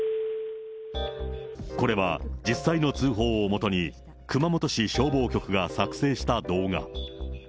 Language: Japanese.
これは、実際の通報をもとに熊本市消防局が作成した動画。